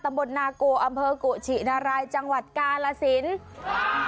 บตนาโกอำเภอกุชินารายจังหวัดกาลสิน